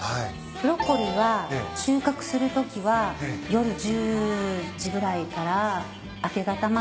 ブロッコリーは収穫するときは夜１０時ぐらいから明け方まで。